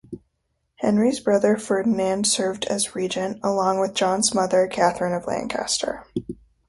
Henry's brother, Ferdinand, served as regent, along with John's mother, Catherine of Lancaster.